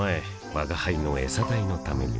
吾輩のエサ代のためにも